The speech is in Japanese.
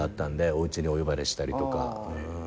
おうちにお呼ばれしたりとか。